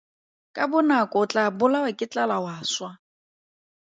Ka bonako o tlaa bolawa ke tlala wa swa.